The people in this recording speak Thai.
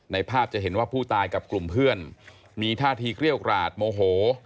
ภาพจะเห็นว่าผู้ตายกับกลุ่มเพื่อนมีท่าทีเกรี้ยวกราดโมโห